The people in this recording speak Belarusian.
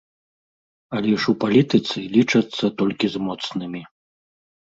Але ж у палітыцы лічацца толькі з моцнымі.